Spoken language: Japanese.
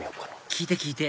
聞いて聞いて！